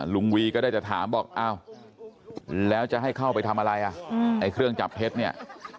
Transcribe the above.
วีก็ได้จะถามบอกอ้าวแล้วจะให้เข้าไปทำอะไรอ่ะไอ้เครื่องจับเท็จเนี่ย